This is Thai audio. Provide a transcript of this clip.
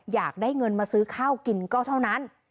อยากได้เงินมาซื้อข้าวกินก็เท่านั้น